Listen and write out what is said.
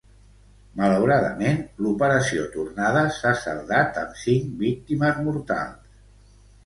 Malauradament, l'operació tornada s'ha saldat amb cinc víctimes mortals.